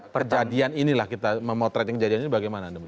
perjadian inilah kita memotret yang jadinya ini bagaimana